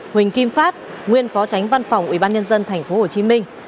huỳnh kim phát nguyên phó tránh văn phòng ubnd tp hcm